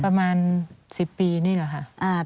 ประมาณสิบปีนี่หรอค่ะ